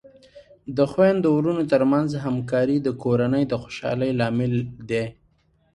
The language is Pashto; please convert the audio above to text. د خویندو ورونو ترمنځ همکاري د کورنۍ د خوشحالۍ لامل دی.